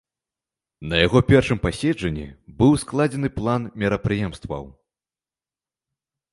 На яго першым паседжанні быў складзены план мерапрыемстваў.